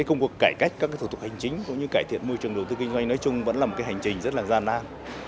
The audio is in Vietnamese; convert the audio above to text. công cuộc cải cách các thủ tục hành chính cũng như cải thiện môi trường đầu tư kinh doanh nói chung vẫn là một hành trình rất là gian nan